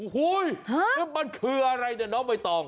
โห้ยมันคืออะไรเนี่ยเนาะไม่ต้อง